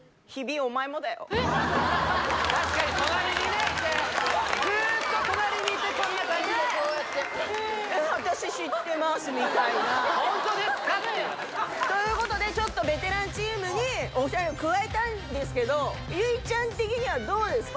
確かに隣にねいてずーっと隣にいてこんな感じでこうやってみたいなということでベテランチームにお二人を加えたいんですけど結実ちゃん的にはどうですか？